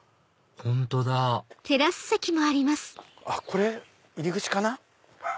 本当だこれ入り口かな。